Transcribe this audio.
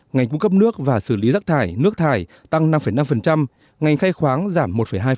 ngành cung cấp nước và xử lý rác thải nước thải tăng năm năm ngành khay khoáng giảm một hai